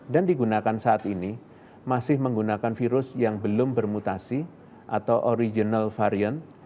dan digunakan saat ini masih menggunakan virus yang belum bermutasi atau original variant